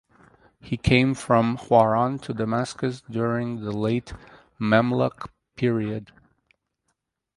He came from Hauran to Damascus during the late Mamluk period.